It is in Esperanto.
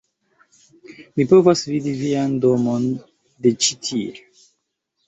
"mi povas vidi vian domon de ĉi-tie!"